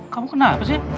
kamu kenapa sih